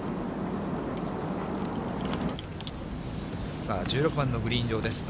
さあ、１６番のグリーン上です。